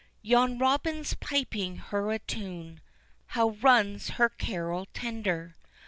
Yon robin's piping her a tune How runs his carol tender?